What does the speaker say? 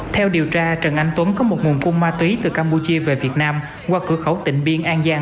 theo điều tra trần anh tuấn có một nguồn cung ma túy từ campuchia về việt nam qua cửa khẩu tỉnh biên an giang